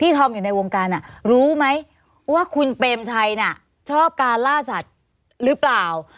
ธอมอยู่ในวงการรู้ไหมว่าคุณเปรมชัยน่ะชอบการล่าสัตว์หรือเปล่า